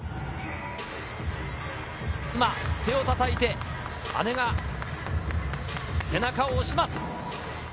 今、手をたたいて、姉が背中を押します。